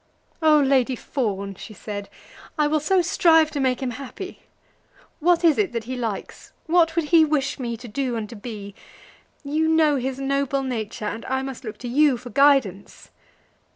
"Oh, Lady Fawn!" she said, "I will so strive to make him happy. What is it that he likes? What would he wish me to do and to be? You know his noble nature, and I must look to you for guidance."